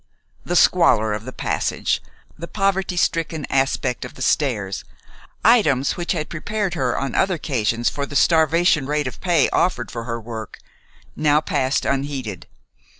The squalor of the passage, the poverty stricken aspect of the stairs, items which had prepared her on other occasions for the starvation rate of pay offered for her work, now passed unheeded.